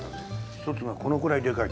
１つがこのくらいでかい。